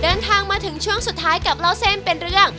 เดินทางมาถึงช่วงสุดท้ายกับเล่าเส้นเป็นเรื่อง